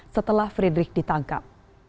setelah friedrich ditangkap